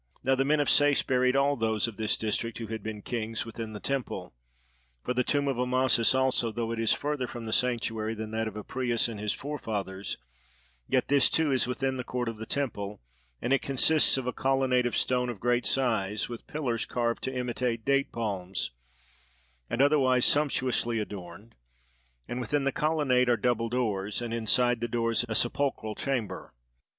Now the men of Sais buried all those of this district who had been kings, within the temple; for the tomb of Amasis also, though it is further from the sanctuary than that of Apries and his forefathers, yet this too is within the court of the temple, and it consists of a colonnade of stone of great size, with pillars carved to imitate date palms, and otherwise sumptuously adorned; and within the colonnade are double doors, and inside the doors a sepulchral chamber.